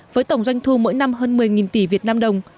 với tổng doanh thu mỗi năm hơn một mươi tỷ việt nam đồng